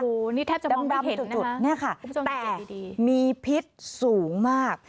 โอ้โฮนี่แทบจะมองไม่เห็นนะคะคุณผู้ชมจริงดีนี่ค่ะแต่มีพิษสูงมาก